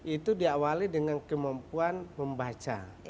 itu diawali dengan kemampuan membaca